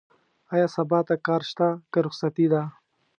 ايا سبا ته کار شته؟ که رخصتي ده؟